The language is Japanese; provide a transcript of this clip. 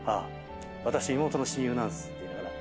「私妹の親友なんです」って言いながら。